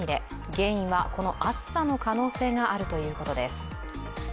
原因はこの暑さの可能性があるということです。